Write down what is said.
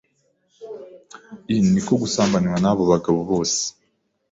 I ni uko gusambanywa n’abo bagabo bose,